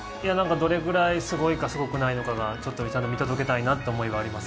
どれぐらいすごいかすごくないのかをちょっと見届けたいなという思いはあります。